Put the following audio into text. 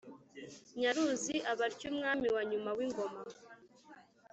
nyaruzi aba atyo umwami wa nyuma w'ingoma